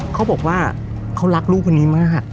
เขาบอกว่าเขารักลูกคนนี้มาก